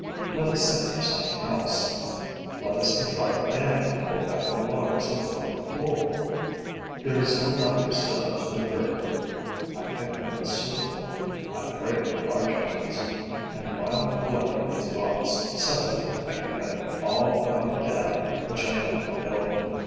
Let us think of something else: let us contrive a dam to hold back the waters and form a pool. There is no lack of stones for the brickwork. I pick the most suitable; I break the larger ones. And, while collecting these blocks, suddenly I forget all about the dam which I meant to build.